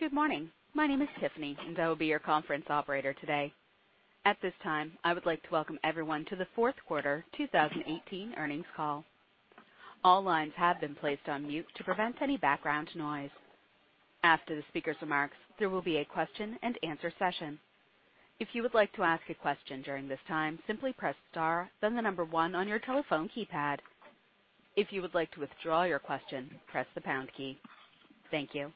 Good morning. My name is Tiffany, and I will be your conference operator today. At this time, I would like to welcome everyone to the fourth quarter 2018 earnings call. All lines have been placed on mute to prevent any background noise. After the speaker's remarks, there will be a question and answer session. If you would like to ask a question during this time, simply press star, then the number one on your telephone keypad. If you would like to withdraw your question, press the pound key. Thank you.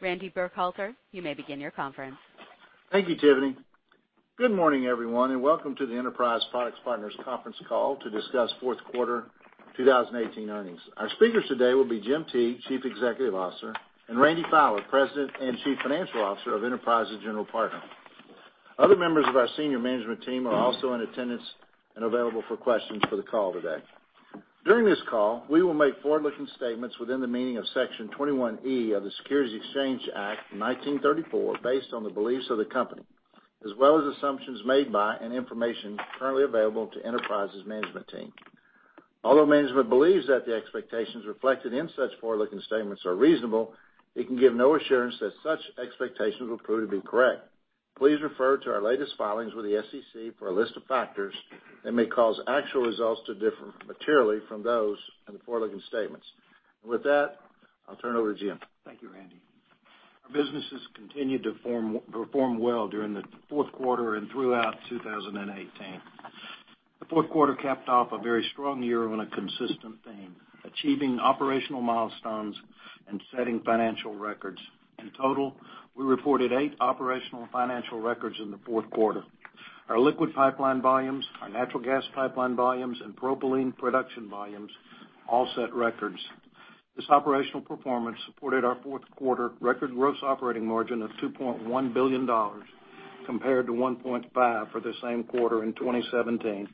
Randy Burkhalter, you may begin your conference. Thank you, Tiffany. Good morning, everyone, and welcome to the Enterprise Products Partners conference call to discuss fourth quarter 2018 earnings. Our speakers today will be Jim Teague, Chief Executive Officer, and Randy Fowler, President and Chief Financial Officer of Enterprise's General Partner. Other members of our senior management team are also in attendance and available for questions for the call today. During this call, we will make forward-looking statements within the meaning of Section 21E of the Securities Exchange Act, 1934, based on the beliefs of the company, as well as assumptions made by and information currently available to Enterprise's management team. Although management believes that the expectations reflected in such forward-looking statements are reasonable, it can give no assurance that such expectations will prove to be correct. Please refer to our latest filings with the SEC for a list of factors that may cause actual results to differ materially from those in the forward-looking statements. With that, I'll turn it over to Jim. Thank you, Randy. Our businesses continued to perform well during the fourth quarter and throughout 2018. The fourth quarter capped off a very strong year on a consistent theme: achieving operational milestones and setting financial records. In total, we reported eight operational financial records in the fourth quarter. Our liquid pipeline volumes, our natural gas pipeline volumes, and propylene production volumes all set records. This operational performance supported our fourth quarter record gross operating margin of $2.1 billion, compared to $1.5 billion for the same quarter in 2017,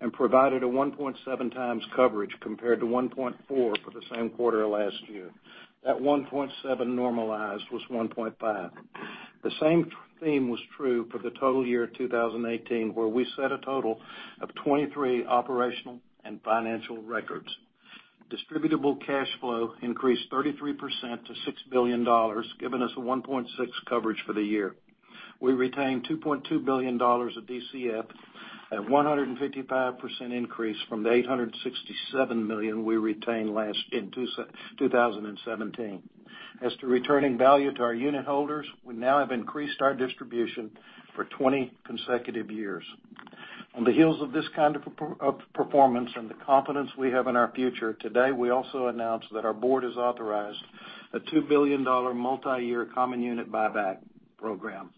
and provided a 1.7 times coverage compared to 1.4 for the same quarter last year. That 1.7 normalized was 1.5. The same theme was true for the total year 2018, where we set a total of 23 operational and financial records. Distributable cash flow increased 33% to $6 billion, giving us a 1.6 coverage for the year. We retained $2.2 billion of DCF at 155% increase from the $867 million we retained in 2017. As to returning value to our unitholders, we now have increased our distribution for 20 consecutive years. On the heels of this kind of performance and the confidence we have in our future, today, we also announce that our board has authorized a $2 billion multi-year common unit buyback program.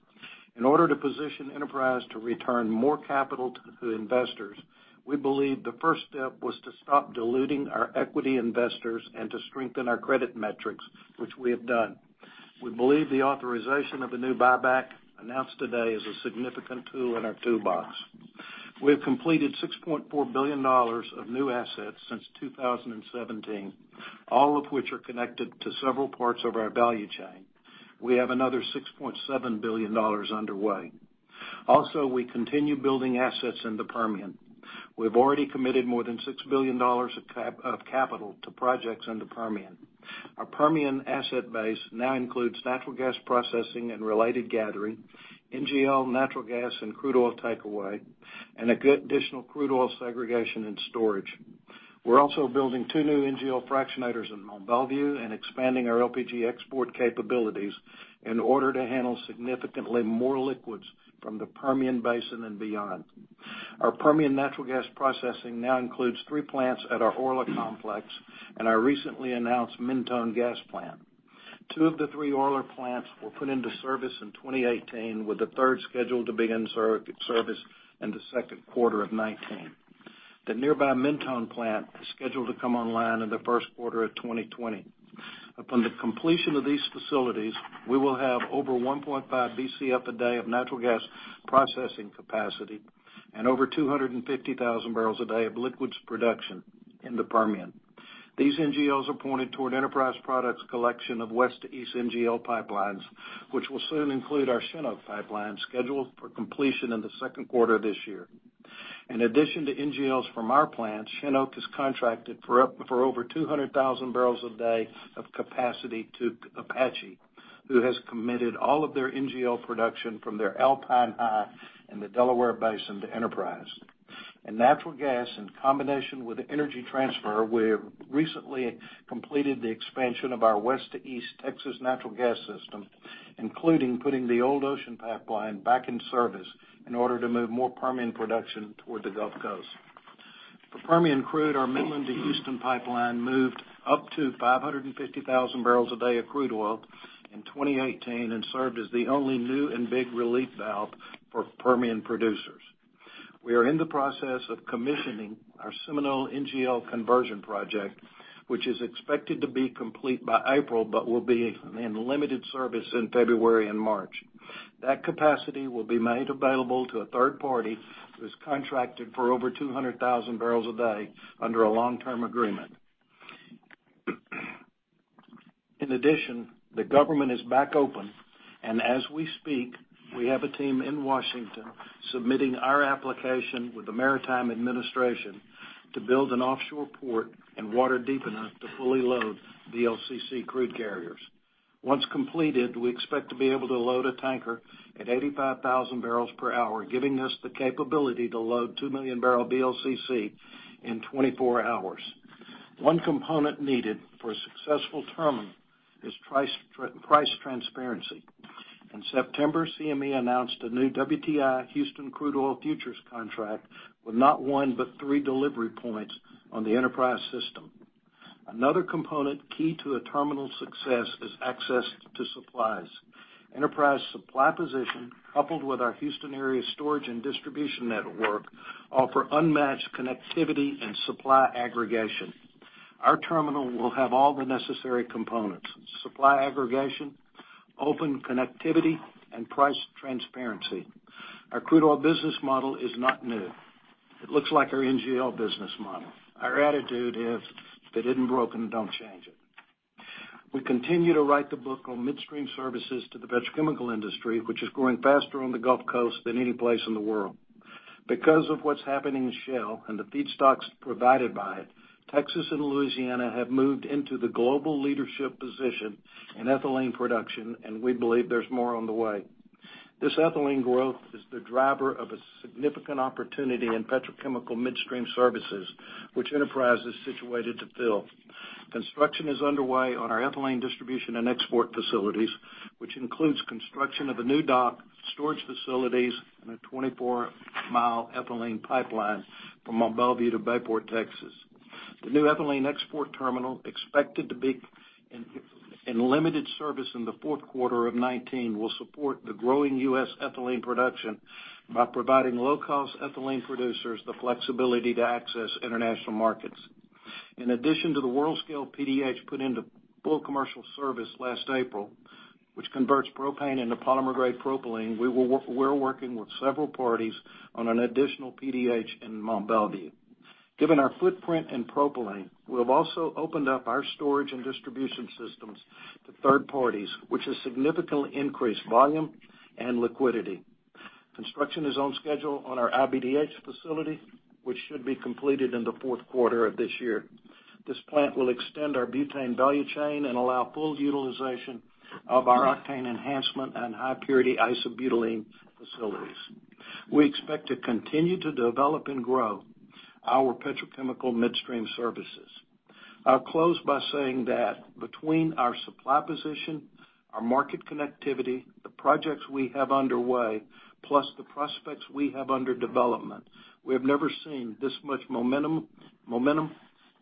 In order to position Enterprise to return more capital to investors, we believe the first step was to stop diluting our equity investors and to strengthen our credit metrics, which we have done. We believe the authorization of the new buyback announced today is a significant tool in our toolbox. We have completed $6.4 billion of new assets since 2017, all of which are connected to several parts of our value chain. We have another $6.7 billion underway. We continue building assets in the Permian. We've already committed more than $6 billion of capital to projects in the Permian. Our Permian asset base now includes natural gas processing and related gathering, NGL, natural gas, and crude oil takeaway, and additional crude oil segregation and storage. We're also building two new NGL fractionators in Mont Belvieu and expanding our LPG export capabilities in order to handle significantly more liquids from the Permian Basin and beyond. Our Permian natural gas processing now includes three plants at our Orla complex and our recently announced Mentone gas plant. Two of the three Orla plants were put into service in 2018, with the third scheduled to be in service in the second quarter of 2019. The nearby Mentone plant is scheduled to come online in the first quarter of 2020. Upon the completion of these facilities, we will have over 1.5 Bcf a day of natural gas processing capacity and over 250,000 bpd of liquids production in the Permian. These NGLs are pointed toward Enterprise Products' collection of west to east NGL pipelines, which will soon include our Shin Oak pipeline scheduled for completion in the second quarter of this year. In addition to NGLs from our plant, Shin Oak has contracted for over 200,000 bpd of capacity to Apache, who has committed all of their NGL production from their Alpine High and the Delaware Basin to Enterprise. In natural gas, in combination with Energy Transfer, we have recently completed the expansion of our west to east Texas natural gas system, including putting the Old Ocean pipeline back in service in order to move more Permian production toward the Gulf Coast. For Permian crude, our Midland to Houston pipeline moved up to 550,000 bpd of crude oil in 2018 and served as the only new and big relief valve for Permian producers. We are in the process of commissioning our Seminole NGL conversion project, which is expected to be complete by April but will be in limited service in February and March. That capacity will be made available to a third party who has contracted for over 200,000 bpd under a long-term agreement. In addition, the government is back open, and as we speak, we have a team in Washington submitting our application with the Maritime Administration to build an offshore port and water deep enough to fully load VLCC crude carriers. Once completed, we expect to be able to load a tanker at 85,000 bph, giving us the capability to load 2,000,000 bbl VLCC in 24 hours. One component needed for a successful terminal is price transparency. In September, CME announced a new WTI Houston crude oil futures contract with not one, but three delivery points on the Enterprise system. Another component key to a terminal's success is access to supplies. Enterprise supply position, coupled with our Houston area storage and distribution network, offer unmatched connectivity and supply aggregation. Our terminal will have all the necessary components, supply aggregation, open connectivity, and price transparency. Our crude oil business model is not new. It looks like our NGL business model. Our attitude is, if it isn't broken, don't change it. We continue to write the book on midstream services to the petrochemical industry, which is growing faster on the Gulf Coast than any place in the world. Because of what's happening in Shell and the feedstocks provided by it, Texas and Louisiana have moved into the global leadership position in ethylene production, and we believe there's more on the way. This ethylene growth is the driver of a significant opportunity in petrochemical midstream services, which Enterprise is situated to fill. Construction is underway on our ethylene distribution and export facilities, which includes construction of a new dock, storage facilities, and a 24 mi ethylene pipeline from Mont Belvieu to Bayport, Texas. The new ethylene export terminal, expected to be in limited service in the fourth quarter of 2019, will support the growing U.S. ethylene production by providing low-cost ethylene producers the flexibility to access international markets. In addition to the world-scale PDH put into full commercial service last April, which converts propane into polymer-grade propylene, we're working with several parties on an additional PDH in Mont Belvieu. Given our footprint in propylene, we've also opened up our storage and distribution systems to third parties, which has significantly increased volume and liquidity. Construction is on schedule on our iBDH facility, which should be completed in the fourth quarter of this year. This plant will extend our butane value chain and allow full utilization of our octane enhancement and high-purity isobutylene facilities. We expect to continue to develop and grow our petrochemical midstream services. I'll close by saying that between our supply position, our market connectivity, the projects we have underway, plus the prospects we have under development, we have never seen this much momentum,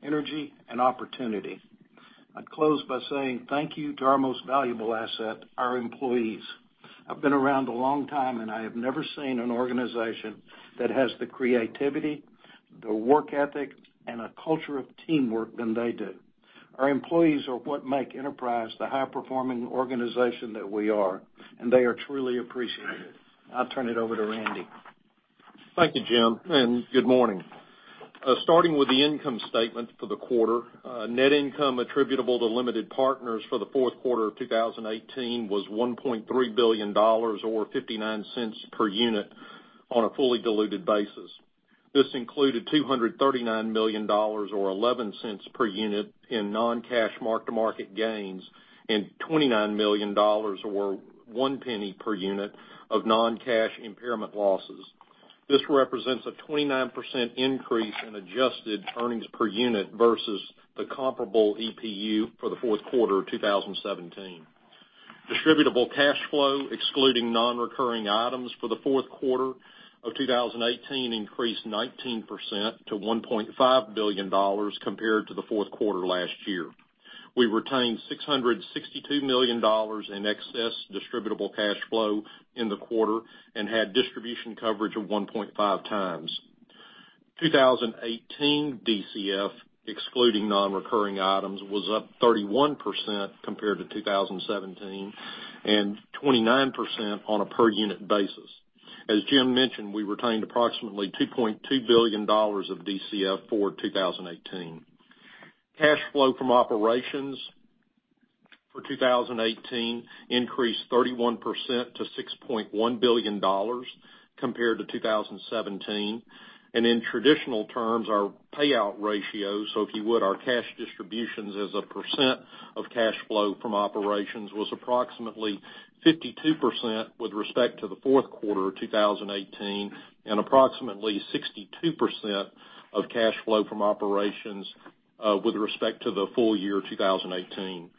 energy, and opportunity. I'd close by saying thank you to our most valuable asset, our employees. I've been around a long time, and I have never seen an organization that has the creativity, the work ethic, and a culture of teamwork than they do. Our employees are what make Enterprise the high-performing organization that we are, and they are truly appreciated. I'll turn it over to Randy. Thank you, Jim, and good morning. Starting with the income statement for the quarter. Net income attributable to limited partners for the fourth quarter of 2018 was $1.3 billion, or $0.59 per unit on a fully diluted basis. This included $239 million, or $0.11 per unit in non-cash mark-to-market gains and $29 million, or $0.01 per unit of non-cash impairment losses. This represents a 29% increase in adjusted earnings per unit versus the comparable EPU for the fourth quarter of 2017. Distributable cash flow, excluding non-recurring items for the fourth quarter of 2018 increased 19% to $1.5 billion compared to the fourth quarter last year. We retained $662 million in excess distributable cash flow in the quarter and had distribution coverage of 1.5 times. 2018 DCF, excluding non-recurring items, was up 31% compared to 2017, and 29% on a per-unit basis. As Jim mentioned, we retained approximately $2.2 billion of DCF for 2018. Cash flow from operations for 2018 increased 31% to $6.1 billion compared to 2017. In traditional terms, our payout ratio, our cash distributions as a percent of cash flow from operations, was approximately 52% with respect to the fourth quarter of 2018, and approximately 62% of cash flow from operations with respect to the full year 2018.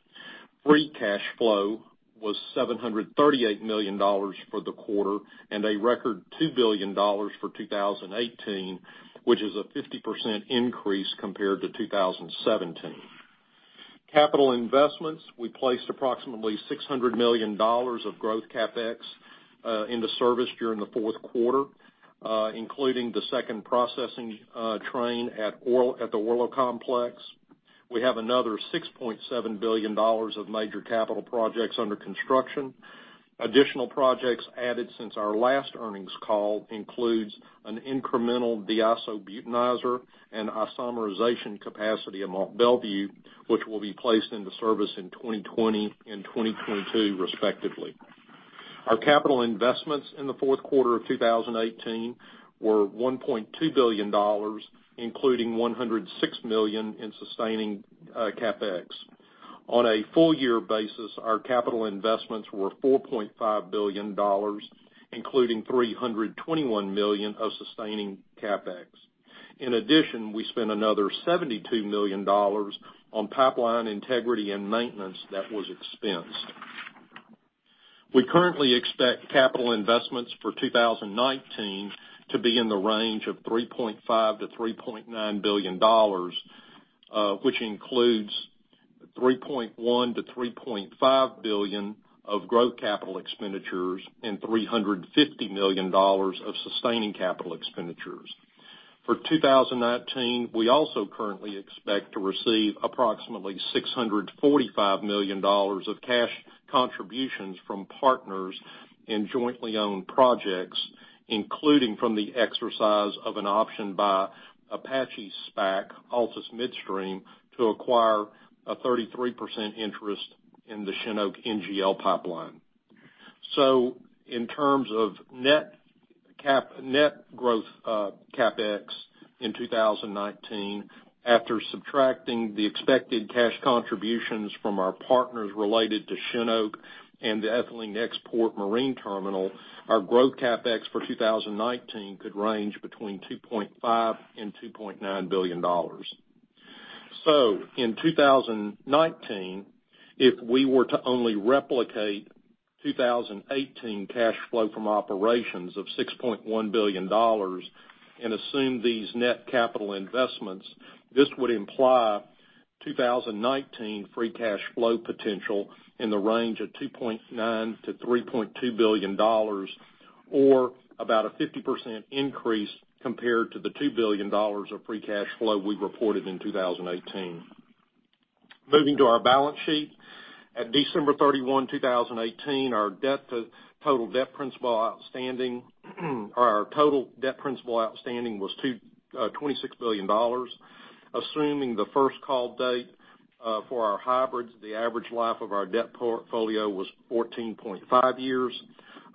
Free cash flow was $738 million for the quarter and a record $2 billion for 2018, which is a 50% increase compared to 2017. Capital investments, we placed approximately $600 million of growth CapEx into service during the fourth quarter, including the second processing train at the Orla complex. We have another $6.7 billion of major capital projects under construction. Additional projects added since our last earnings call includes an incremental deisobutanizer and isomerization capacity at Mont Belvieu, which will be placed into service in 2020 and 2022 respectively. Our capital investments in the fourth quarter of 2018 were $1.2 billion, including $106 million in sustaining CapEx. On a full year basis, our capital investments were $4.5 billion, including $321 million of sustaining CapEx. In addition, we spent another $72 million on pipeline integrity and maintenance that was expensed. We currently expect capital investments for 2019 to be in the range of $3.5 billion-$3.9 billion, which includes $3.1 billion-$3.5 billion of growth capital expenditures and $350 million of sustaining capital expenditures. For 2019, we also currently expect to receive approximately $645 million of cash contributions from partners in jointly owned projects, including from the exercise of an option by Apache's Spark, Altus Midstream, to acquire a 33% interest in the Shin Oak NGL pipeline. In terms of net growth CapEx in 2019, after subtracting the expected cash contributions from our partners related to Shin Oak and the ethylene export marine terminal, our growth CapEx for 2019 could range between $2.5 billion-$2.9 billion. In 2019, if we were to only replicate 2018 cash flow from operations of $6.1 billion and assume these net capital investments, this would imply 2019 free cash flow potential in the range of $2.9 billion-$3.2 billion, or about a 50% increase compared to the $2 billion of free cash flow we reported in 2018. Moving to our balance sheet. At December 31, 2018, our total debt principal outstanding was $26 billion. Assuming the first call date for our hybrids, the average life of our debt portfolio was 14.5 years.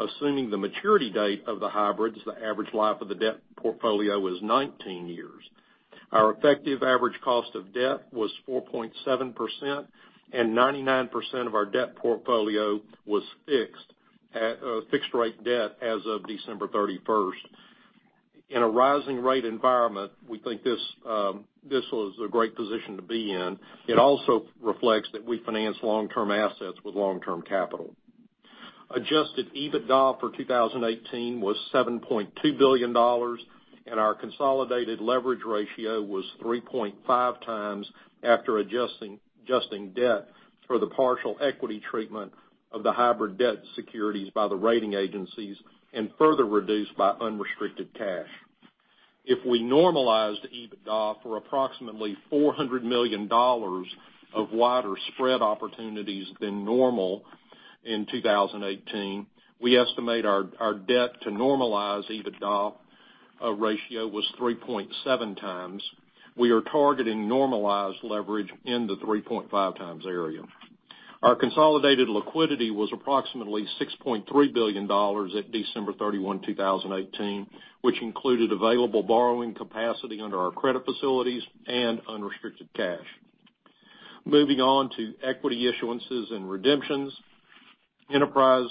Assuming the maturity date of the hybrids, the average life of the debt portfolio was 19 years. Our effective average cost of debt was 4.7%, and 99% of our debt portfolio was fixed-rate debt as of December 31st. In a rising rate environment, we think this was a great position to be in. It also reflects that we finance long-term assets with long-term capital. Adjusted EBITDA for 2018 was $7.2 billion, and our consolidated leverage ratio was 3.5 times after adjusting debt for the partial equity treatment of the hybrid debt securities by the rating agencies and further reduced by unrestricted cash. If we normalized EBITDA for approximately $400 million of wider spread opportunities than normal in 2018, we estimate our debt to normalized EBITDA ratio was 3.7x. We are targeting normalized leverage in the 3.5x area. Our consolidated liquidity was approximately $6.3 billion at December 31, 2018, which included available borrowing capacity under our credit facilities and unrestricted cash. Moving on to equity issuances and redemptions. Enterprise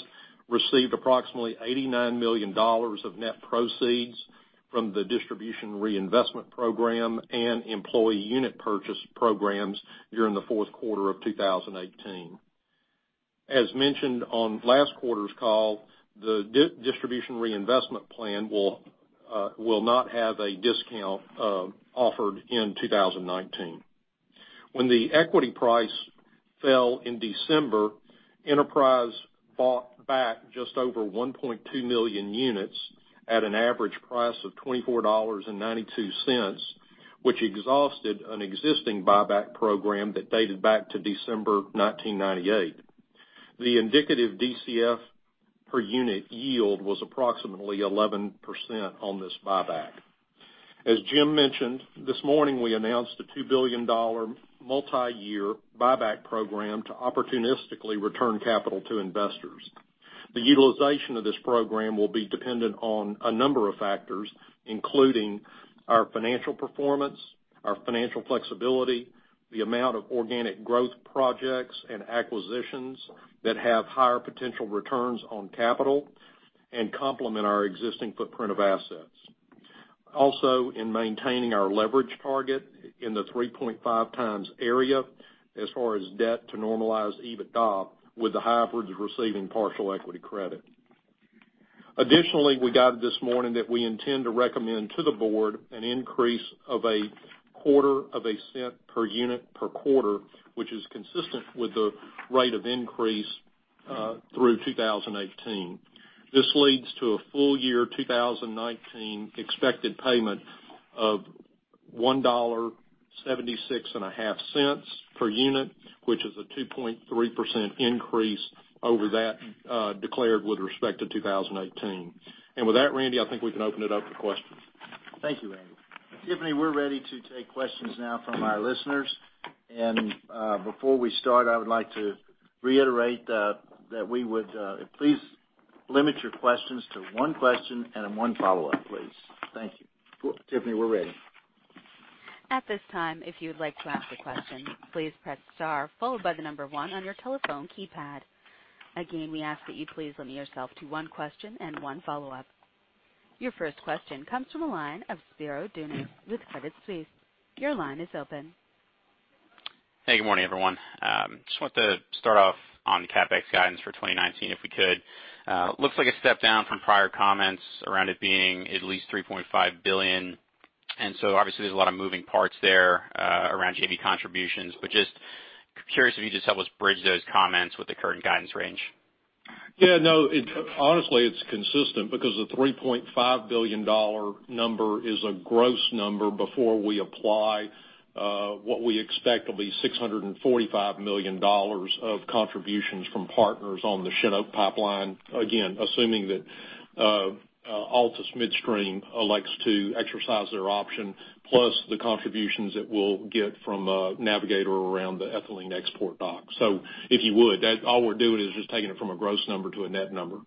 received approximately $89 million of net proceeds from the distribution reinvestment program and employee unit purchase programs during the fourth quarter of 2018. As mentioned on last quarter's call, the distribution reinvestment plan will not have a discount offered in 2019. When the equity price fell in December, Enterprise bought back just over 1.2 million units at an average price of $24.92, which exhausted an existing buyback program that dated back to December 1998. The indicative DCF per unit yield was approximately 11% on this buyback. As Jim mentioned this morning, we announced a $2 billion multi-year buyback program to opportunistically return capital to investors. The utilization of this program will be dependent on a number of factors, including our financial performance, our financial flexibility, the amount of organic growth projects and acquisitions that have higher potential returns on capital and complement our existing footprint of assets. Also, in maintaining our leverage target in the 3.5x area as far as debt to normalized EBITDA with the hybrids receiving partial equity credit. Additionally, we guided this morning that we intend to recommend to the board an increase of $0.0025 per unit per quarter, which is consistent with the rate of increase through 2018. This leads to a full year 2019 expected payment of $1.765 per unit, which is a 2.3% increase over that declared with respect to 2018. With that, Randy, I think we can open it up for questions. Thank you, Randy. Tiffany, we're ready to take questions now from our listeners. Before we start, I would like to reiterate that please limit your questions to one question and one follow-up, please. Thank you. Tiffany, we're ready. At this time, if you would like to ask a question, please press star followed by the number one on your telephone keypad. Again, we ask that you please limit yourself to one question and one follow-up. Your first question comes from the line of Spiro Dounis with Credit Suisse. Your line is open. Hey, good morning, everyone. Just wanted to start off on the CapEx guidance for 2019, if we could. Looks like a step down from prior comments around it being at least $3.5 billion, obviously there's a lot of moving parts there around JV contributions. Just curious if you just help us bridge those comments with the current guidance range. Yeah, no, honestly, it's consistent because the $3.5 billion number is a gross number before we apply what we expect will be $645 million of contributions from partners on the Shin Oak Pipeline. Again, assuming that Altus Midstream elects to exercise their option, plus the contributions it will get from Navigator around the ethylene export dock. If you would, all we're doing is just taking it from a gross number to a net number.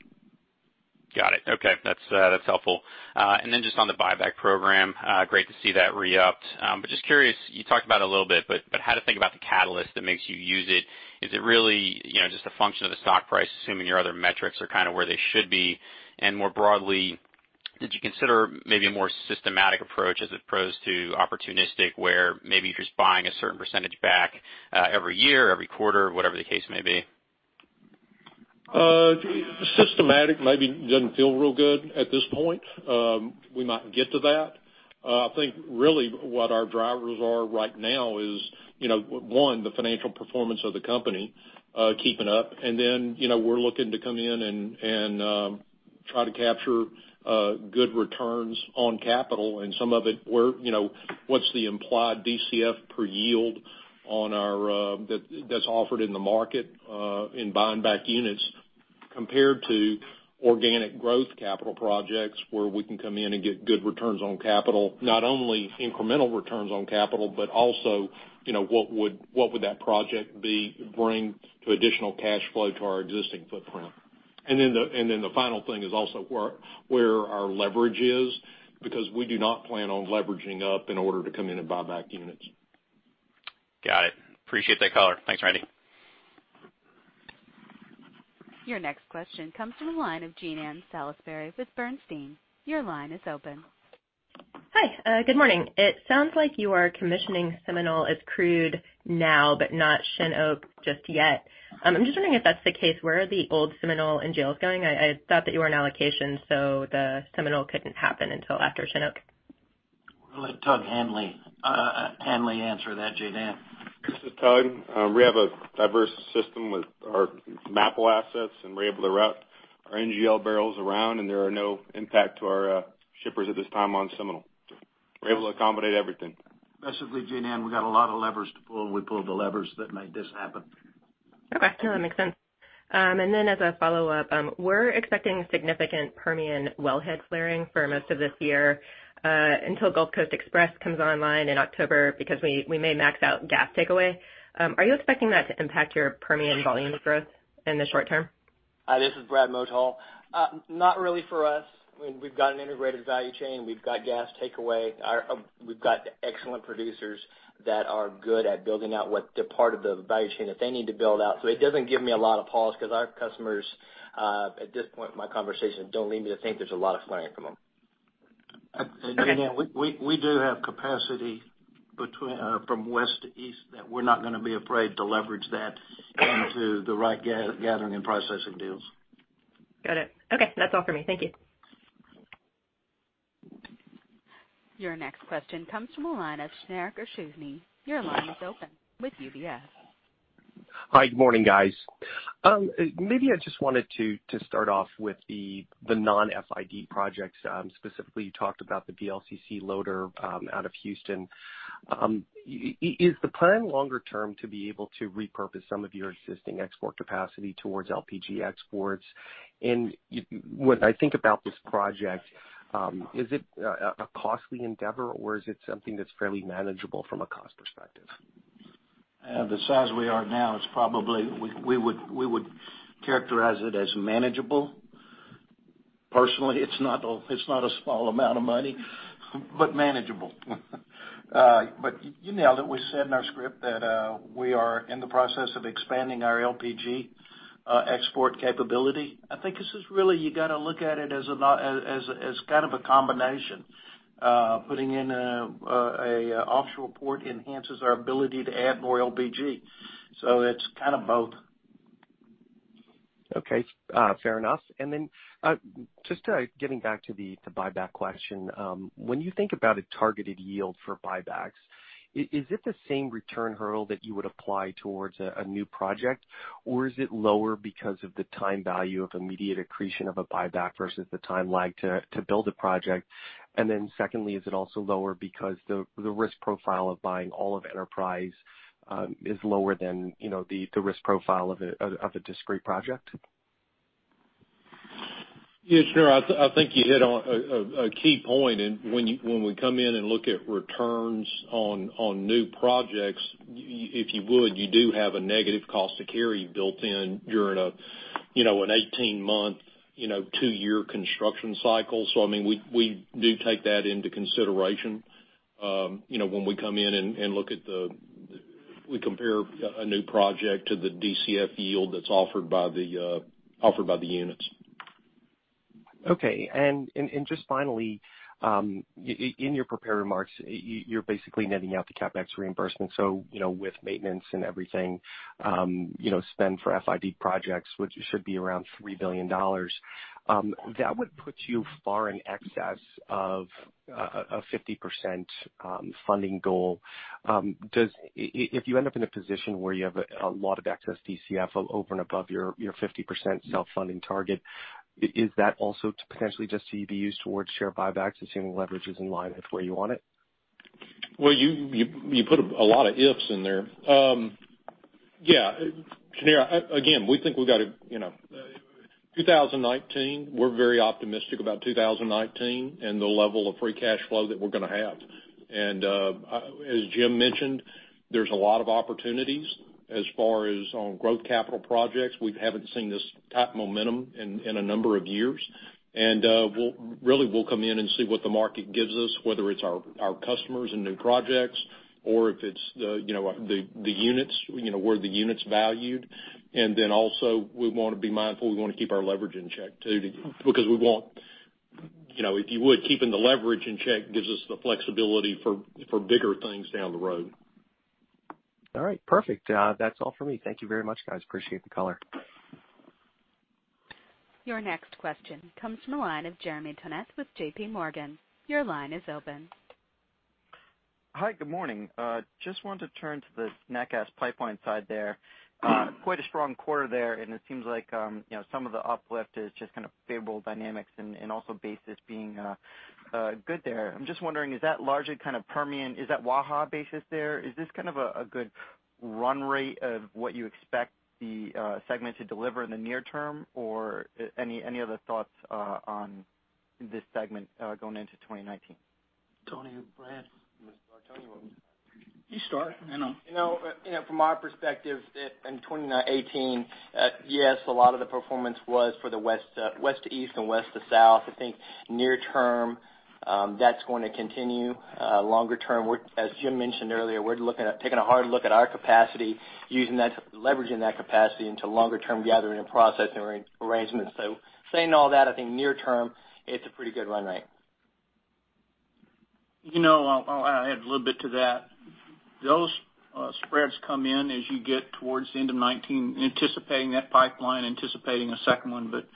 Got it. Okay. That's helpful. Then just on the buyback program. Great to see that re-upped. Just curious, you talked about it a little bit, but how to think about the catalyst that makes you use it. Is it really just a function of the stock price, assuming your other metrics are kind of where they should be? More broadly, did you consider maybe a more systematic approach as opposed to opportunistic, where maybe you're just buying a certain percentage back every year, every quarter, whatever the case may be? Systematic maybe doesn't feel real good at this point. We might get to that. I think really what our drivers are right now is, one, the financial performance of the company keeping up, then we're looking to come in and try to capture good returns on capital and some of it what's the implied DCF per yield that's offered in the market in buying back units compared to organic growth capital projects where we can come in and get good returns on capital. Not only incremental returns on capital, but also what would that project bring to additional cash flow to our existing footprint. Then the final thing is also where our leverage is, because we do not plan on leveraging up in order to come in and buy back units. Got it. Appreciate that color. Thanks, Randy. Your next question comes from the line of Jean Ann Salisbury with Bernstein. Your line is open. Hi. Good morning. It sounds like you are commissioning Seminole as crude now, but not Shin Oak just yet. I'm just wondering if that's the case, where are the old Seminole NGLs going? I thought that you were in allocation, so the Seminole couldn't happen until after Shin Oak. We'll let Tug Hanley answer that, Jean Ann. This is Tug. We have a diverse system with our MAPL assets. We're able to route our NGL barrels around, there are no impact to our shippers at this time on Seminole. We're able to accommodate everything. Basically, Jean Ann, we got a lot of levers to pull. We pulled the levers that made this happen. Okay. No, that makes sense. Then as a follow-up, we're expecting significant Permian well head flaring for most of this year until Gulf Coast Express comes online in October because we may max out gas takeaway. Are you expecting that to impact your Permian volume growth in the short term? Hi, this is Brad Motal. Not really for us. We've got an integrated value chain. We've got gas takeaway. We've got excellent producers that are good at building out what the part of the value chain that they need to build out. It doesn't give me a lot of pause because our customers, at this point in my conversation, don't lead me to think there's a lot of flaring from them. Jean Ann, we do have capacity from west to east that we're not going to be afraid to leverage that into the right gathering and processing deals. Got it. Okay. That's all for me. Thank you. Your next question comes from the line of Shneur Gershuni with UBS. Your line is open. Hi. Good morning, guys. Maybe I just wanted to start off with the non-FID projects. Specifically, you talked about the VLCC loader out of Houston. Is the plan longer term to be able to repurpose some of your existing export capacity towards LPG exports? When I think about this project, is it a costly endeavor or is it something that's fairly manageable from a cost perspective? The size we are now, we would characterize it as manageable. Personally, it's not a small amount of money, but manageable. You nailed it. We said in our script that we are in the process of expanding our LPG export capability. I think this is really, you got to look at it as kind of a combination. Putting in an offshore port enhances our ability to add more LPG. It's kind of both. Okay. Fair enough. Then just getting back to the buyback question. When you think about a targeted yield for buybacks. Is it the same return hurdle that you would apply towards a new project? Is it lower because of the time value of immediate accretion of a buyback versus the time lag to build a project? Secondly, is it also lower because the risk profile of buying all of Enterprise is lower than the risk profile of a discrete project? Yes, sure. I think you hit on a key point. When we come in and look at returns on new projects, if you would, you do have a negative cost to carry built in during an 18-month, two year construction cycle. We do take that into consideration when we come in and look at. We compare a new project to the DCF yield that's offered by the units. Okay. Just finally, in your prepared remarks, you're basically netting out the CapEx reimbursement. With maintenance and everything, spend for FID projects, which should be around $3 billion. That would put you far in excess of a 50% funding goal. If you end up in a position where you have a lot of excess DCF over and above your 50% self-funding target, is that also to potentially just to be used towards share buybacks, assuming leverage is in line with where you want it? Well, you put a lot of ifs in there. Yeah. Again, we think we've got 2019, we're very optimistic about 2019 and the level of free cash flow that we're going to have. As Jim mentioned, there's a lot of opportunities as far as on growth capital projects. We haven't seen this type of momentum in a number of years. Really, we'll come in and see what the market gives us, whether it's our customers and new projects, or if it's where the unit's valued. Then also we want to be mindful, we want to keep our leverage in check too because If you would, keeping the leverage in check gives us the flexibility for bigger things down the road. All right, perfect. That's all for me. Thank you very much, guys. Appreciate the color. Your next question comes from the line of Jeremy Tonet with JPMorgan. Your line is open. Hi, good morning. Just wanted to turn to the nat gas pipeline side there. Quite a strong quarter there. It seems like some of the uplift is just kind of favorable dynamics and also basis being good there. I'm just wondering, is that largely kind of Permian? Is that Waha basis there? Is this kind of a good run rate of what you expect the segment to deliver in the near term? Any other thoughts on this segment going into 2019? Tony or Brad? You want me to start, Tony? What? You start. I know. From our perspective, in 2018, yes, a lot of the performance was for the west to east and west to south. I think near term, that's going to continue. Longer term, as Jim mentioned earlier, we're taking a hard look at our capacity, leveraging that capacity into longer-term gathering and processing arrangements. Saying all that, I think near term, it's a pretty good run rate. I'll add a little bit to that. Those spreads come in as you get towards the end of 2019, anticipating that pipeline, anticipating a second one, but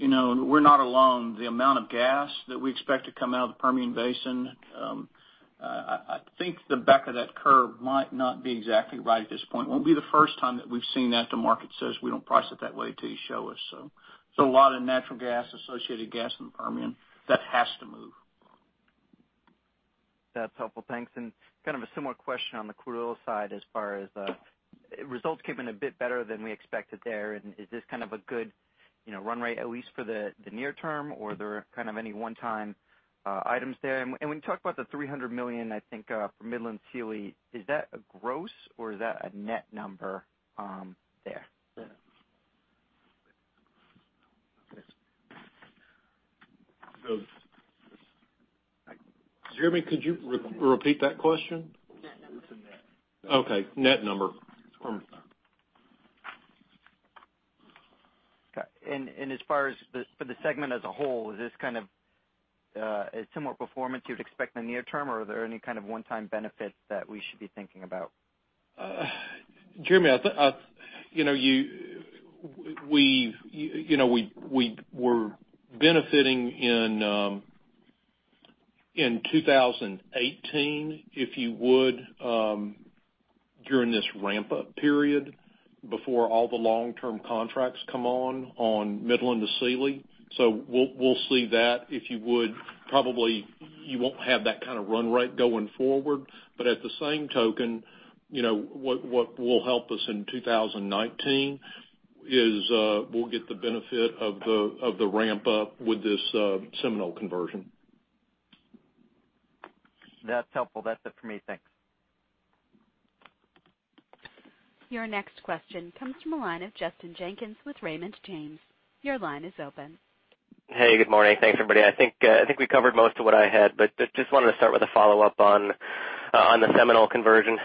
we're not alone. The amount of gas that we expect to come out of the Permian Basin, I think the back of that curve might not be exactly right at this point. Won't be the first time that we've seen that. The market says we don't price it that way till you show us. A lot of natural gas, associated gas in the Permian, that has to move. That's helpful. Thanks. Kind of a similar question on the crude oil side as far as results came in a bit better than we expected there. Is this kind of a good run rate, at least for the near term, or are there kind of any one-time items there? When you talk about the $300 million, I think, for Midland-to-Sealy, is that a gross or is that a net number there? Jeremy, could you repeat that question? Net number. Okay. Net number. Okay. As far as for the segment as a whole, is this kind of a similar performance you'd expect in the near term, or are there any kind of one-time benefits that we should be thinking about? Jeremy, we were benefiting in 2018, if you would during this ramp-up period before all the long-term contracts come on Midland to Sealy. We'll see that. If you would, probably you won't have that kind of run rate going forward. At the same token, what will help us in 2019 is we'll get the benefit of the ramp-up with this Seminole conversion. That's helpful. That's it for me. Thanks. Your next question comes from the line of Justin Jenkins with Raymond James. Your line is open. Hey, good morning. Thanks, everybody. I think we covered most of what I had, just wanted to start with a follow-up on the Seminole conversion.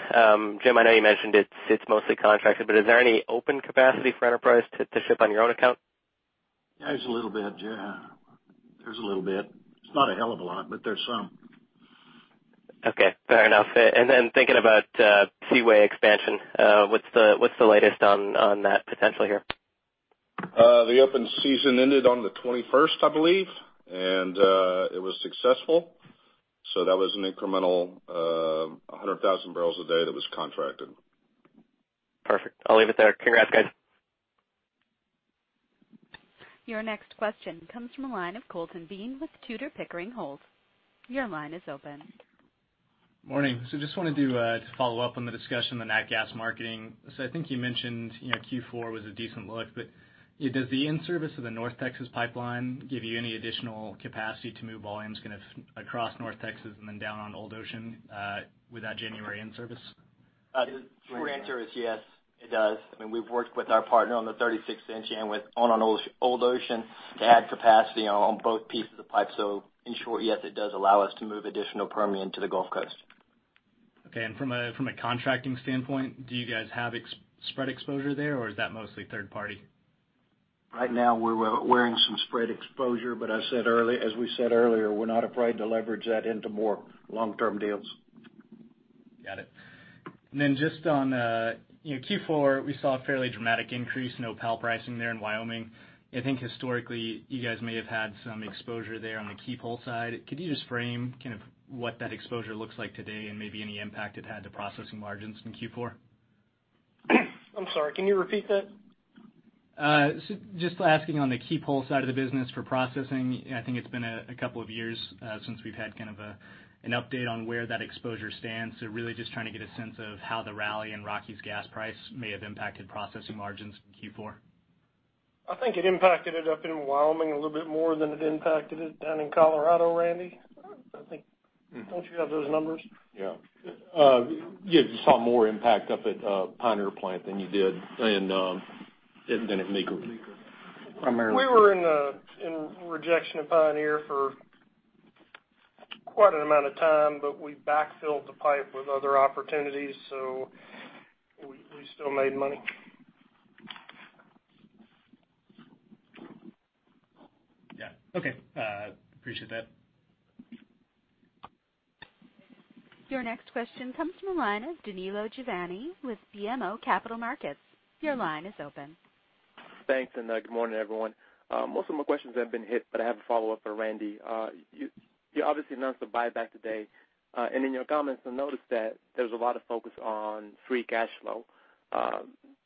Jim, I know you mentioned it's mostly contracted, is there any open capacity for Enterprise to ship on your own account? There's a little bit. It's not a hell of a lot, but there's some. Okay. Fair enough. Then thinking about Seaway expansion, what's the latest on that potential here? The open season ended on the 21st, I believe, and it was successful. That was an incremental 100,000 bpd that was contracted. Perfect. I'll leave it there. Congrats, guys. Your next question comes from the line of Colton Bean with Tudor, Pickering, Holt. Your line is open. Morning. Just wanted to follow up on the discussion on the nat gas marketing. I think you mentioned Q4 was a decent look, but does the in-service of the North Texas pipeline give you any additional capacity to move volumes kind of across North Texas and then down on Old Ocean with that January in-service? The short answer is yes, it does. I mean, we've worked with our partner on the 36 in and on Old Ocean to add capacity on both pieces of pipe. In short, yes, it does allow us to move additional Permian to the Gulf Coast. Okay. From a contracting standpoint, do you guys have spread exposure there, or is that mostly third party? Right now, we're wearing some spread exposure, but as we said earlier, we're not afraid to leverage that into more long-term deals. Got it. Just on Q4, we saw a fairly dramatic increase in Opal pricing there in Wyoming. I think historically, you guys may have had some exposure there on the Keep Whole side. Could you just frame kind of what that exposure looks like today and maybe any impact it had to processing margins in Q4? I'm sorry, can you repeat that? Just asking on the Keep Whole side of the business for processing. I think it's been a couple of years since we've had kind of an update on where that exposure stands. Really just trying to get a sense of how the rally in Rocky's gas price may have impacted processing margins in Q4. I think it impacted it up in Wyoming a little bit more than it impacted it down in Colorado, Randy. Don't you have those numbers? Yeah. You saw more impact up at Pioneer plant than at Meeker. We were in rejection of Pioneer for quite an amount of time, but we backfilled the pipe with other opportunities, so we still made money. Yeah. Okay. Appreciate that. Your next question comes from the line of Danilo Juvane with BMO Capital Markets. Your line is open. Thanks. Good morning, everyone. Most of my questions have been hit, but I have a follow-up for Randy. You obviously announced a buyback today. In your comments, I noticed that there's a lot of focus on free cash flow.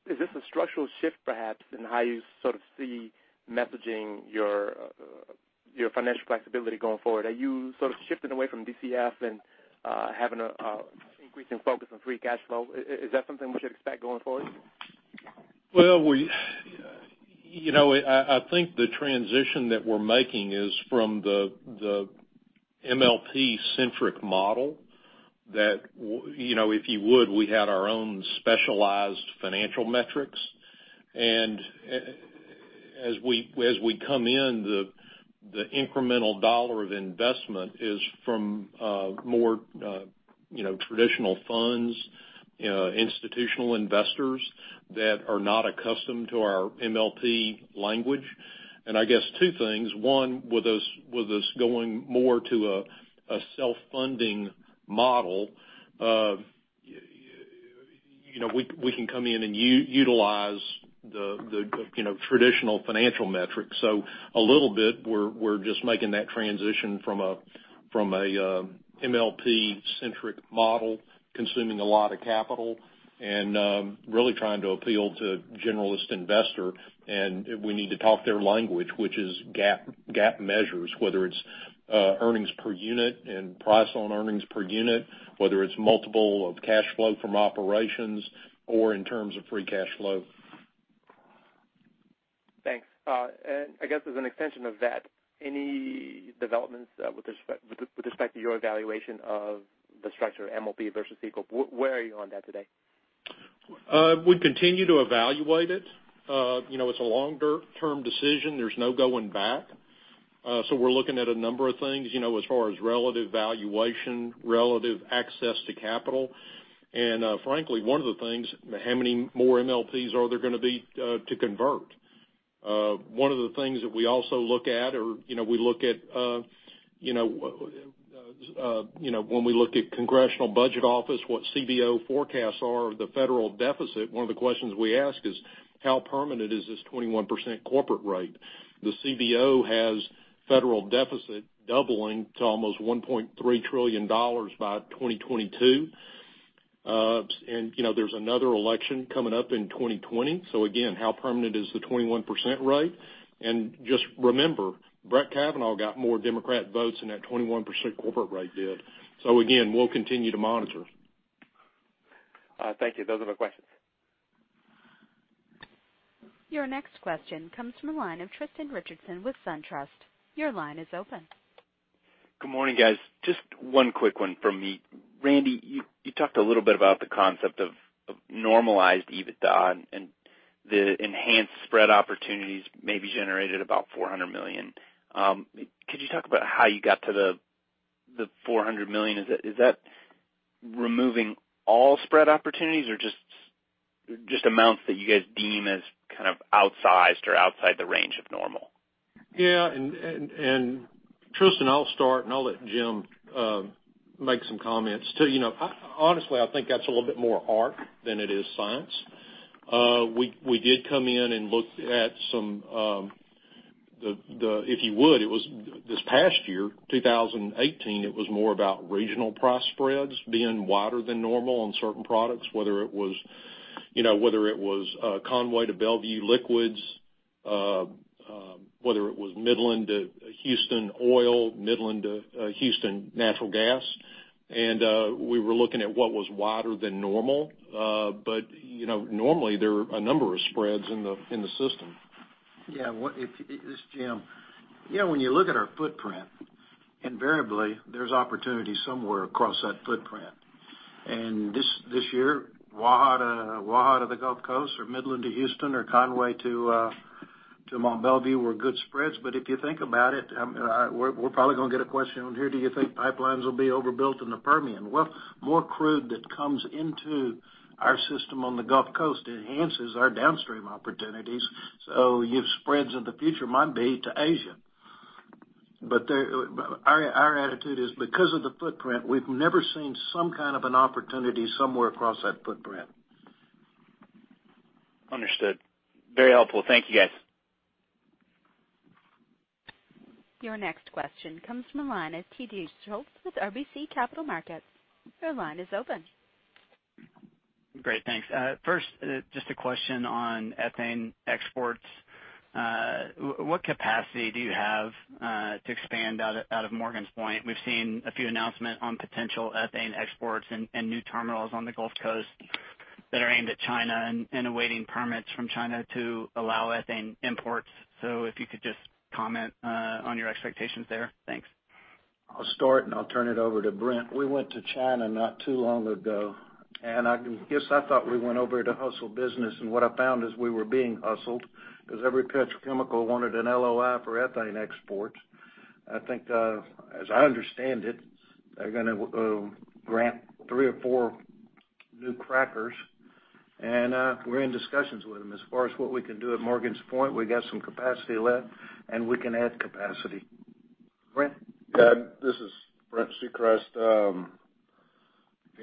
Is this a structural shift perhaps in how you sort of see messaging your financial flexibility going forward? Are you sort of shifting away from DCF and having an increasing focus on free cash flow? Is that something we should expect going forward? Well, I think the transition that we're making is from the MLP-centric model that, if you would, we had our own specialized financial metrics. As we come in, the incremental dollar of investment is from more traditional funds, institutional investors that are not accustomed to our MLP language. I guess two things. One, with us going more to a self-funding model, we can come in and utilize the traditional financial metrics. A little bit, we're just making that transition from a MLP-centric model, consuming a lot of capital, and really trying to appeal to generalist investor. We need to talk their language, which is GAAP measures, whether it's earnings per unit and price on earnings per unit, whether it's multiple of cash flow from operations or in terms of free cash flow. Thanks. I guess as an extension of that, any developments with respect to your evaluation of the structure MLP versus C corp? Where are you on that today? We continue to evaluate it. It's a longer-term decision. There's no going back. We're looking at a number of things as far as relative valuation, relative access to capital. Frankly, one of the things, how many more MLPs are there going to be to convert? One of the things that we also look at when we look at Congressional Budget Office, what CBO forecasts are of the federal deficit, one of the questions we ask is how permanent is this 21% corporate rate? The CBO has federal deficit doubling to almost $1.3 trillion by 2022. There's another election coming up in 2020. Again, how permanent is the 21% rate? Just remember, Brett Kavanaugh got more Democrat votes than that 21% corporate rate did. Again, we'll continue to monitor. Thank you. Those are my questions. Your next question comes from the line of Tristan Richardson with SunTrust. Your line is open. Good morning, guys. Just one quick one from me. Randy, you talked a little bit about the concept of normalized EBITDA and the enhanced spread opportunities maybe generated about $400 million. Could you talk about how you got to the $400 million? Is that removing all spread opportunities or just amounts that you guys deem as kind of outsized or outside the range of normal? Yeah. Tristan, I'll start, and I'll let Jim make some comments too. Honestly, I think that's a little bit more art than it is science. We did come in and look at some. It was this past year, 2018, it was more about regional price spreads being wider than normal on certain products, whether it was Conway to Belvieu liquids, whether it was Midland to Houston oil, Midland to Houston natural gas. We were looking at what was wider than normal. Normally, there are a number of spreads in the system. Yeah. This is Jim. When you look at our footprint, invariably, there's opportunity somewhere across that footprint. This year, Waha to the Gulf Coast or Midland to Houston or Conway to Mont Belvieu were good spreads. If you think about it, we're probably going to get a question on here, do you think pipelines will be overbuilt in the Permian? More crude that comes into our system on the Gulf Coast enhances our downstream opportunities. Your spreads in the future might be to Asia. Our attitude is because of the footprint, we've never seen some kind of an opportunity somewhere across that footprint. Understood. Very helpful. Thank you, guys. Your next question comes from the line of TJ Schultz with RBC Capital Markets. Your line is open. Great. Thanks. First, just a question on ethane exports. What capacity do you have to expand out of Morgan's Point? We've seen a few announcement on potential ethane exports and new terminals on the Gulf Coast that are aimed at China and awaiting permits from China to allow ethane imports. If you could just comment on your expectations there. Thanks. I'll start. I'll turn it over to Brent. We went to China not too long ago. I guess I thought we went over to hustle business. What I found is we were being hustled because every petrochemical wanted an LOI for ethane exports. I think, as I understand it, they're going to grant three or four new crackers, and we're in discussions with them. As far as what we can do at Morgan's Point, we got some capacity left, and we can add capacity. Brent? Yeah. This is Brent Secrest. To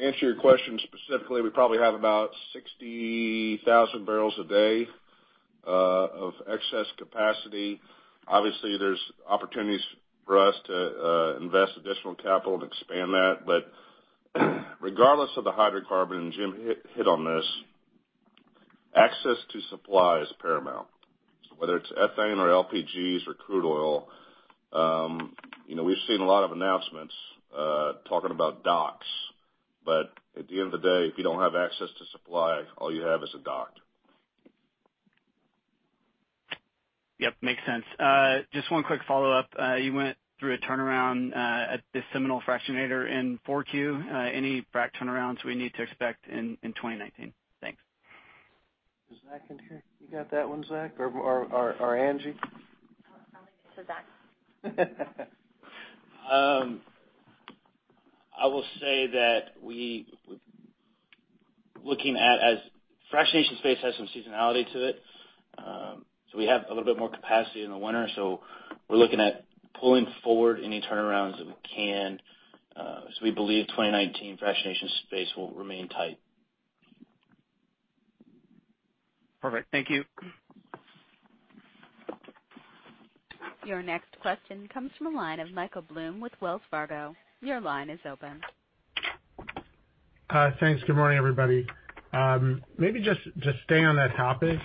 answer your question specifically, we probably have about 60,000 bpd of excess capacity. Obviously, there's opportunities for us to invest additional capital to expand that. Regardless of the hydrocarbon, and Jim hit on this, access to supply is paramount, whether it's ethane or LPGs or crude oil. We've seen a lot of announcements talking about docks, but at the end of the day, if you don't have access to supply, all you have is a dock. Yep, makes sense. Just one quick follow-up. You went through a turnaround at the Seminole fractionator in 4Q. Any frac turnarounds we need to expect in 2019? Thanks. Is Zach in here? You got that one, Zach or Angie? I'll leave this to Zach. I will say that fractionation space has some seasonality to it. We have a little bit more capacity in the winter, so we're looking at pulling forward any turnarounds that we can, because we believe 2019 fractionation space will remain tight. Perfect. Thank you. Your next question comes from the line of Michael Blum with Wells Fargo. Your line is open. Thanks. Good morning, everybody. Obviously, it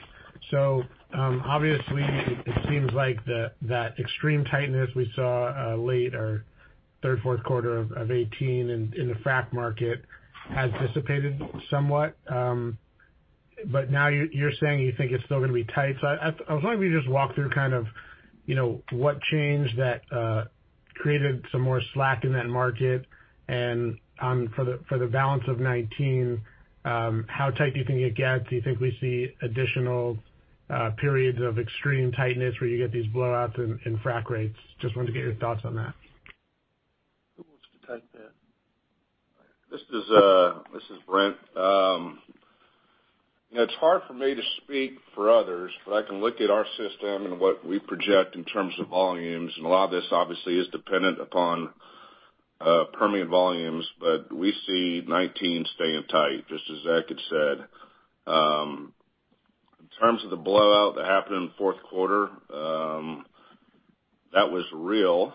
seems like that extreme tightness we saw late or third, fourth quarter of 2018 in the frac market has dissipated somewhat. Now you're saying you think it's still going to be tight. I was wondering if you could just walk through what changed that created some more slack in that market. For the balance of 2019, how tight do you think it gets? Do you think we see additional periods of extreme tightness where you get these blowouts in frac rates? Just wanted to get your thoughts on that. Who wants to take that? This is Brent. It's hard for me to speak for others, I can look at our system and what we project in terms of volumes, and a lot of this obviously is dependent upon Permian volumes, we see 2019 staying tight, just as Zach had said. In terms of the blowout that happened in the fourth quarter, that was real.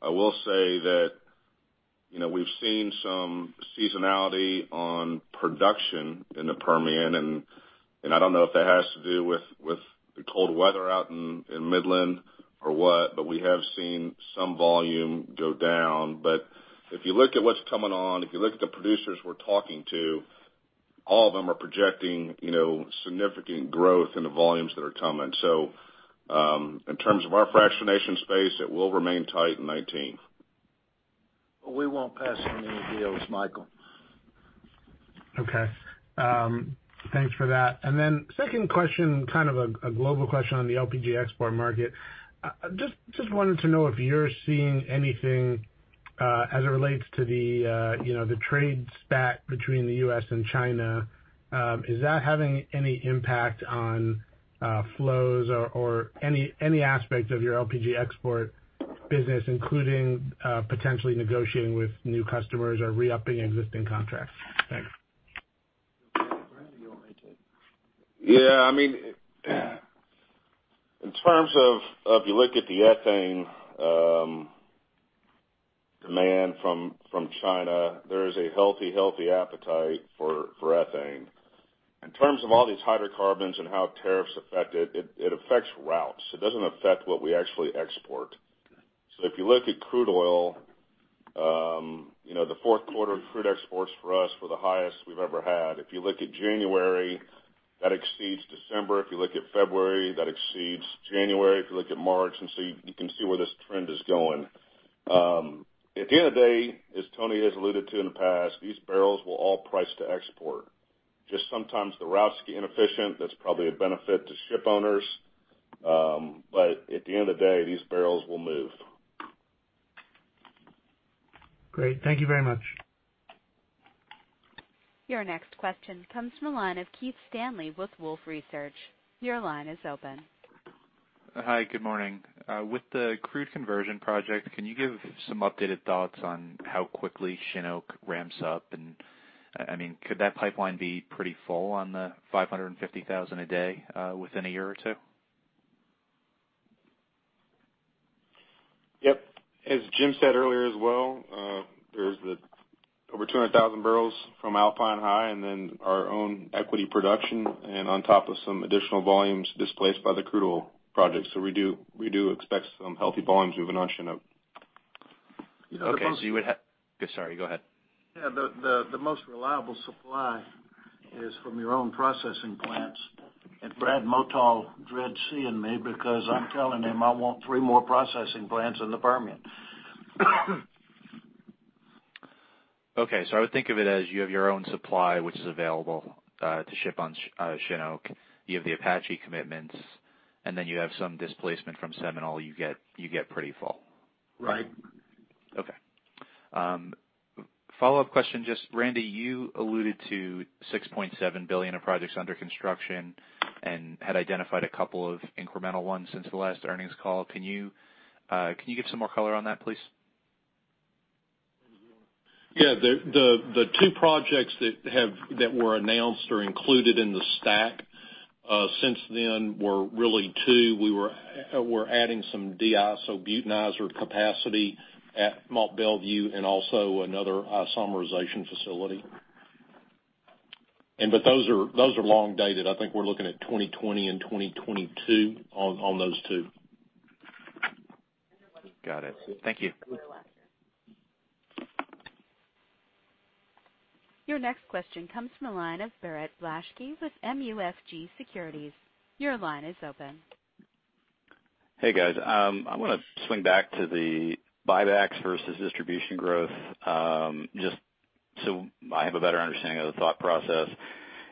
I will say that we've seen some seasonality on production in the Permian, and I don't know if that has to do with the cold weather out in Midland or what, we have seen some volume go down. If you look at what's coming on, if you look at the producers we're talking to, all of them are projecting significant growth in the volumes that are coming. In terms of our fractionation space, it will remain tight in 2019. We won't pass on any deals, Michael. Okay. Thanks for that. Second question, kind of a global question on the LPG export market. Just wanted to know if you're seeing anything as it relates to the trade spat between the U.S. and China, is that having any impact on flows or any aspect of your LPG export business, including potentially negotiating with new customers or re-upping existing contracts? Thanks. Randy, you want me to? Yeah. In terms of if you look at the ethane demand from China, there is a healthy appetite for ethane. In terms of all these hydrocarbons and how tariffs affect it affects routes. It doesn't affect what we actually export. Okay. If you look at crude oil, the fourth quarter crude exports for us were the highest we've ever had. If you look at January, that exceeds December. If you look at February, that exceeds January. If you look at March, you can see where this trend is going. At the end of the day, as Tony has alluded to in the past, these barrels will all price to export. Just sometimes the routes get inefficient. That's probably a benefit to ship owners. At the end of the day, these barrels will move. Great. Thank you very much. Your next question comes from the line of Keith Stanley with Wolfe Research. Your line is open. Hi. Good morning. With the crude conversion project, can you give some updated thoughts on how quickly Seaway ramps up, and could that pipeline be pretty full on the 550,000 a day within a year or two? Yep. As Jim said earlier as well, there is over 200,000 bbl from Alpine High and then our own equity production and on top of some additional volumes displaced by the crude oil project. We do expect some healthy volumes moving on Shin Oak. Okay. Sorry, go ahead. Yeah. The most reliable supply is from your own processing plants. Brad Motal dreads seeing me because I am telling him I want three more processing plants in the Permian. Okay. I would think of it as you have your own supply, which is available to ship on Shin Oak. You have the Apache commitments, you have some displacement from Seminole, you get pretty full. Right. Okay. Follow-up question. Just Randy, you alluded to $6.7 billion of projects under construction and had identified a couple of incremental ones since the last earnings call. Can you give some more color on that, please? Yeah. The two projects that were announced are included in the stack. Since then, we're adding some deisobutanizer capacity at Mont Belvieu and also another isomerization facility. Those are long dated. I think we're looking at 2020 and 2022 on those two. Got it. Thank you. Your next question comes from the line of Barrett Blaschke with MUFG Securities. Your line is open. Hey, guys. I want to swing back to the buybacks versus distribution growth just so I have a better understanding of the thought process.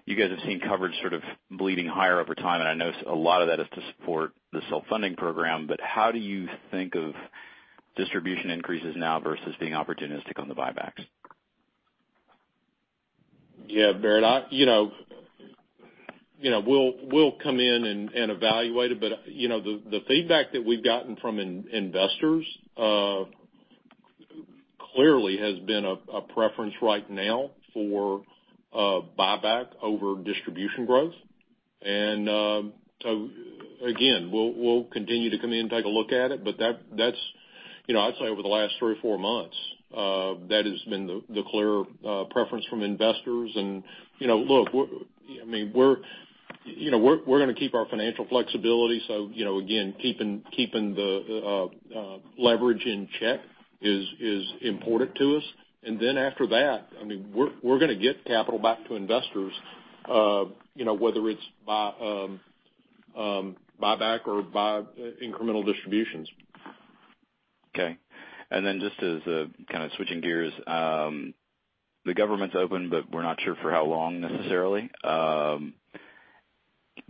You guys have seen coverage sort of bleeding higher over time. I know a lot of that is to support the self-funding program, how do you think of distribution increases now versus being opportunistic on the buybacks? Yeah. Barrett, we'll come in and evaluate it, the feedback that we've gotten from investors clearly has been a preference right now for buyback over distribution growth. Again, we'll continue to come in and take a look at it, I'd say over the last three or four months, that has been the clear preference from investors and look, we're going to keep our financial flexibility. Again, keeping the leverage in check is important to us. After that, we're going to get capital back to investors, whether it's buyback or by incremental distributions. Okay. Just as kind of switching gears, the government's open, we're not sure for how long necessarily.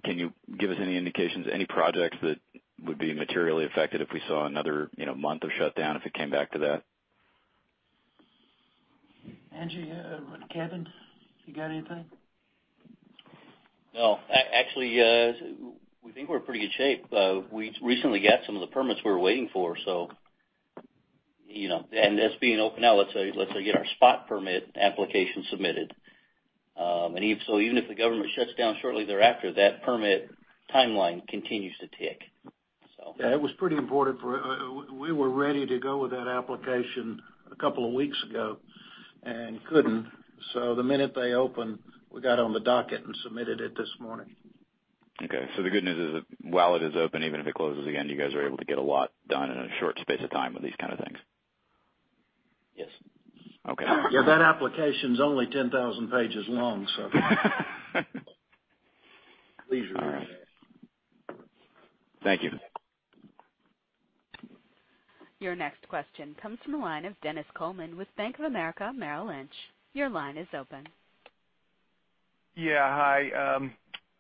Can you give us any indications, any projects that would be materially affected if we saw another month of shutdown, if it came back to that? Angie Kevin, you got anything? No. Actually, we think we're in pretty good shape. We recently got some of the permits we were waiting for. Us being open now, let's say we get our spot permit application submitted. Even if the government shuts down shortly thereafter, that permit timeline continues to tick. Yeah, it was pretty important. We were ready to go with that application a couple of weeks ago and couldn't. The minute they opened, we got on the docket and submitted it this morning. Okay. The good news is that while it is open, even if it closes again, you guys are able to get a lot done in a short space of time with these kind of things. Yes. Okay. Yeah, that application's only 10,000 pages long, so. All right. Thank you. Your next question comes from the line of Dennis Coleman with Bank of America Merrill Lynch. Your line is open. Yeah. Hi.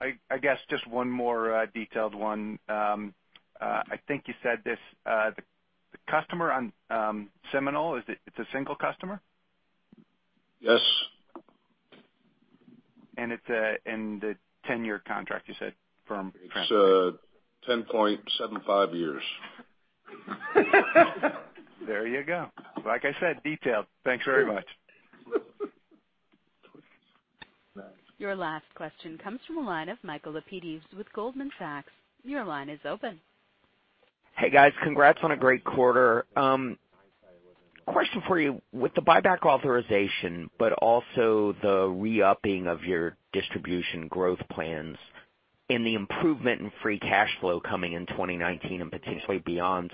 I guess just one more detailed one. I think you said this, the customer on Seminole, it's a single customer? Yes. It's a 10-year contract, you said, firm, correct? It's 10.75 years. There you go. Like I said, detailed. Thanks very much. Your last question comes from the line of Michael Lapides with Goldman Sachs. Your line is open. Hey, guys. Congrats on a great quarter. Question for you. With the buyback authorization, but also the re-upping of your distribution growth plans and the improvement in free cash flow coming in 2019 and potentially beyond,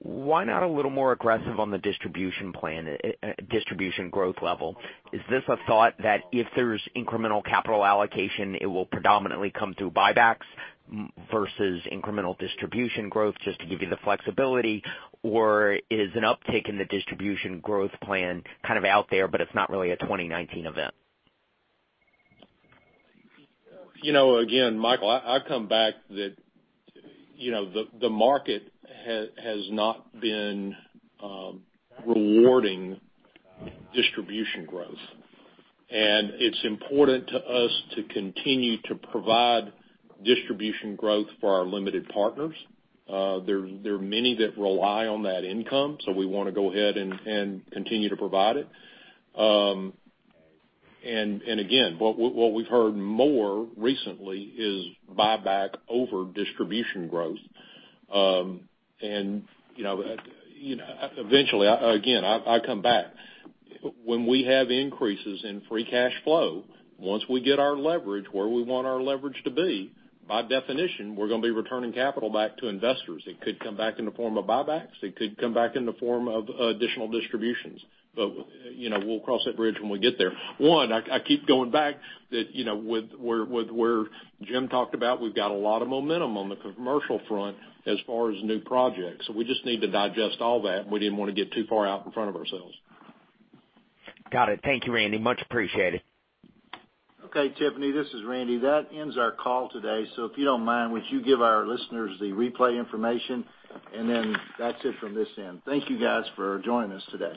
why not a little more aggressive on the distribution plan, distribution growth level? Is this a thought that if there's incremental capital allocation, it will predominantly come through buybacks versus incremental distribution growth just to give you the flexibility? Is an uptick in the distribution growth plan kind of out there, but it's not really a 2019 event? Again, Michael, I come back that the market has not been rewarding distribution growth. It's important to us to continue to provide distribution growth for our limited partners. There are many that rely on that income, we want to go ahead and continue to provide it. Again, what we've heard more recently is buyback over distribution growth. Eventually, again, I come back. When we have increases in free cash flow, once we get our leverage where we want our leverage to be, by definition, we're going to be returning capital back to investors. It could come back in the form of buybacks. It could come back in the form of additional distributions. We'll cross that bridge when we get there. One, I keep going back that where Jim talked about we've got a lot of momentum on the commercial front as far as new projects. We just need to digest all that. We didn't want to get too far out in front of ourselves. Got it. Thank you, Randy. Much appreciated. Okay, Tiffany, this is Randy. That ends our call today. If you don't mind, would you give our listeners the replay information? Then that's it from this end. Thank you guys for joining us today.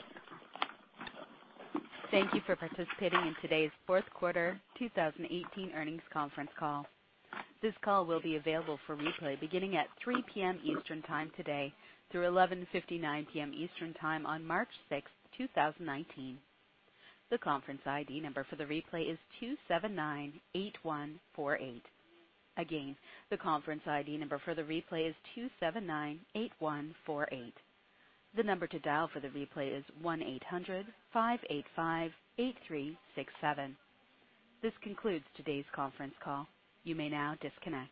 Thank you for participating in today's fourth quarter 2018 earnings conference call. This call will be available for replay beginning at 3:00 P.M. Eastern time today through 11:59 P.M. Eastern time on March 6th, 2019. The conference ID number for the replay is 2798148. Again, the conference ID number for the replay is 2798148. The number to dial for the replay is 1-800-585-8367. This concludes today's conference call. You may now disconnect.